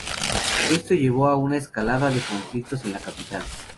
Esto llevó a una escalada de conflictos en la capital.